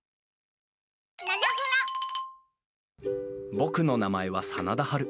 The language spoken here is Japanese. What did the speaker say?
僕の名前は真田ハル。